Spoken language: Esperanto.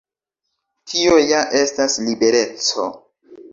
Tio ja estas libereco.